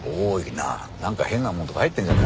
なんか変なもんとか入ってんじゃねえのか？